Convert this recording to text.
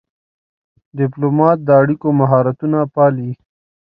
ډيپلومات د اړیکو مهارتونه پالي.